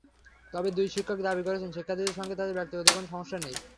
তবে দুই শিক্ষক দাবি করেছেন, শিক্ষার্থীদের সঙ্গে তাঁদের ব্যক্তিগত কোনো সমস্যা নেই।